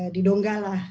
di dongga lah